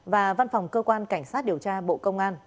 và văn phòng cơ quan cảnh sát điều tra bộ công an